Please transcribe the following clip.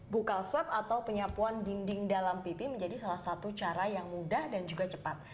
bukal swab atau penyapuan dinding dalam pipi menjadi salah satu cara yang mudah dan juga cepat